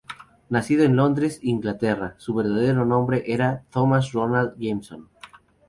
Nacido en Londres, Inglaterra, su verdadero nombre era Thomas Roland Jameson.